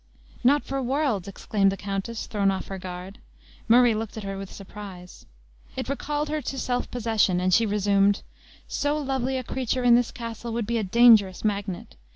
"Not for worlds!" exclaimed the countess, thrown off her guard. Murray looked at her with surprise. It recalled her to self possession, and she resumed: "So lovely a creature in this castle would be a dangerous magnet.